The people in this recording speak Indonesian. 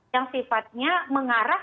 yang sifatnya mengarah